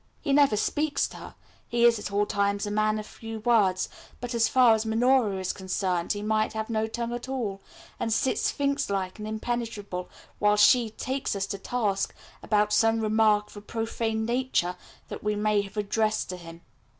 He never speaks to her; he is at all times a man of few words, but, as far as Minora is concerned, he might have no tongue at all, and sits sphinx like and impenetrable while she takes us to task about some remark of a profane nature that we may have addressed to him.